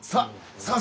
さあ！